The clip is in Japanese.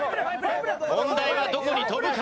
問題はどこに飛ぶか？